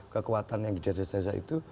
kekuatan yang di desa desa itu